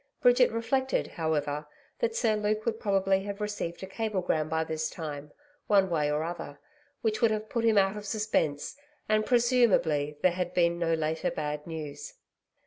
Bridget reflected, however, that Sir Luke would probably have received a cablegram by this time, one way or other which would have put him out of suspense, and, presumably, there had been no later bad news.